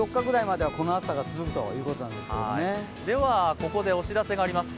ここでお知らせがあります。